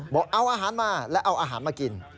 บอกเอาอาหารมาแล้วเอาอาหารมากิน